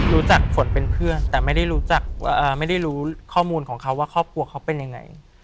รู้จักฝนเป็นเพื่อนแต่ไม่ได้รู้จักไม่ได้รู้ข้อมูลของเขาว่าครอบครัวเขาเป็นยังไง